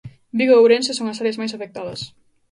Vigo e Ourense son as áreas máis afectadas.